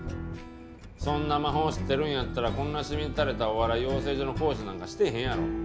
そんな魔法知ってるんやったらこんなしみったれたお笑い養成所の講師なんかしてへんやろ。